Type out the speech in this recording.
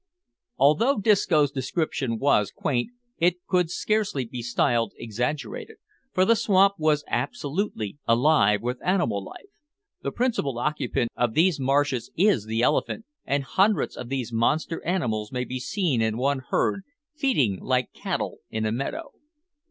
Although Disco's description was quaint, it could scarcely be styled exaggerated, for the swamp was absolutely alive with animal life. The principal occupant of these marshes is the elephant, and hundreds of these monster animals may be seen in one herd, feeding like cattle in a meadow.